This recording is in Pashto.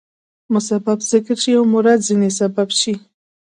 مسبب ذکر شي او مراد ځني سبب يي.